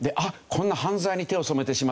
こんな犯罪に手を染めてしまった」